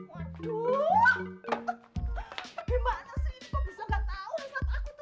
waduh bagaimana sih ini kok bisa gak tau selamat aku tuh